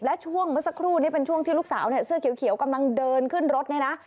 และช่วงเมื่อสักครู่นี้เป็นช่วงที่ลูกสาวเนี่ยเสื้อเขียวกำลังเดินขึ้นรถเนี่ยนะ